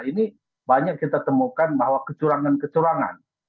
ini banyak kita temukan bahwa kecurangan kecurangan